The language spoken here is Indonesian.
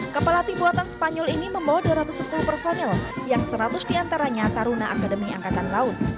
kepelatih buatan spanyol ini membawa dua ratus sepuluh personil yang seratus diantaranya taruna akademi angkatan laut